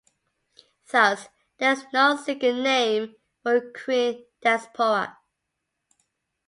Thus, there is no single name for the Korean diaspora.